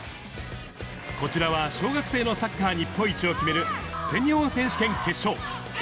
こちらは小学生のサッカー日本一を決める、全日本選手権決勝。